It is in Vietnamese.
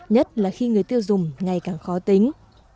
nhất là khi người tiêu dùng ngày càng khó tính